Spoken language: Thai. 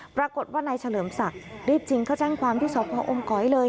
ปรากฏว่านายเฉลิมศักดิ์รีบจริงเขาแจ้งความที่สอบพออมก๋อยเลย